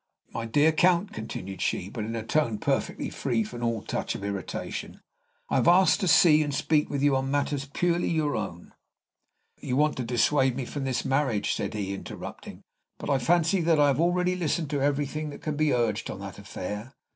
My dear Count," continued she, but in a tone perfectly free from all touch of irritation, "I have asked to see and speak with you on matters purely your own " "You want to dissuade me from this marriage," said he, interrupting; "but I fancy that I have already listened to everything that can be urged on that affair.